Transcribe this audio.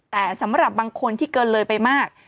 แต่สำหรับบางคนที่เกินเลยไปมาก